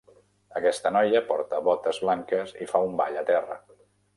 Aquesta noia porta botes blanques i fa un ball a terra.